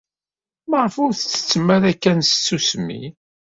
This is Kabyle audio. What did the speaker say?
Maɣef ur tettettem ara kan s tsusmi?